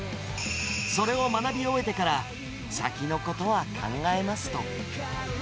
それを学び終えてから、先のことは考えますと。